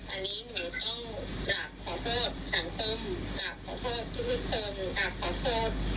อันนี้หนูต้องกลับขอเพิ่มสามเพิ่ม